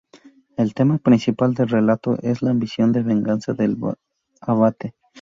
El tema principal del relato es la ambición de venganza del abate.